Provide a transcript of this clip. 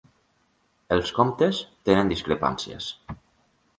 Els comptes tenen discrepàncies.